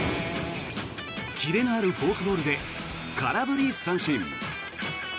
キレのあるフォークボールで空振り三振。